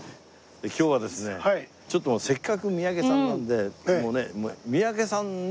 今日はですねちょっとせっかく三宅さんなんで。